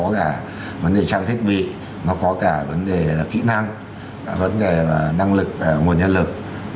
nó có cả vấn đề trang thiết bị nó có cả vấn đề là kỹ năng vấn đề là năng lực nguồn nhân lực